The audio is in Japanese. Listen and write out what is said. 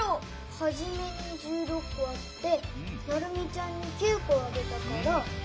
はじめに１６こあってナルミちゃんに９こあげたから。